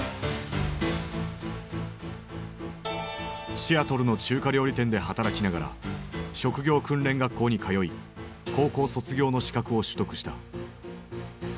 シアトルの中華料理店で働きながら職業訓練学校に通い高校卒業の資格を取得した。